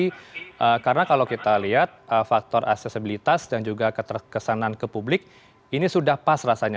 jadi karena kalau kita lihat faktor aksesibilitas dan juga kesanan ke publik ini sudah pas rasanya